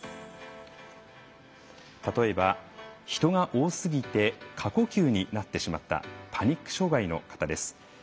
例えば人が多すぎて過呼吸になってしまったパニック障害の方です。